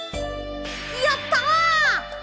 やった！